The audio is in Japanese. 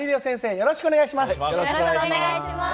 よろしくお願いします！